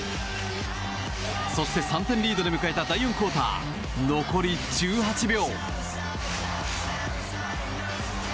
そして３点リードで迎えた第４クオーター、残り１８秒。